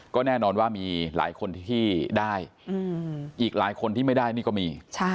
ก็แน่นอนว่ามีหลายคนที่ได้อีกหลายคนที่ไม่ได้นี่ก็มี